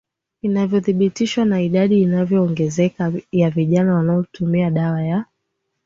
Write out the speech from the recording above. inavyothibitishwa na idadi inayoongezeka ya vijana wanaotumia dawa ya